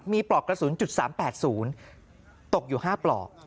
มีปลอกกระสุน๓๘๐ตกอยู่๕ปลอก